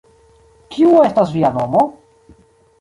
Kiu estas via nomo?